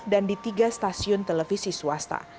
dan di tiga stasiun televisi swasta